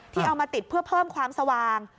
เอามาติดเพื่อเพิ่มความสว่าง